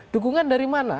dukungan dari mana